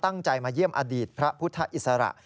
ตั้งใจมาเยี่ยมอดีตพระพุทธอิสระ